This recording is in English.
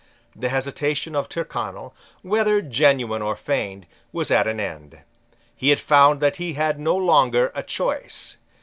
The hesitation of Tyrconnel, whether genuine or feigned, was at an end. He had found that he had no longer a choice.